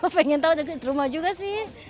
pengen tau di rumah juga sih